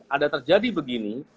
ada terjadi begini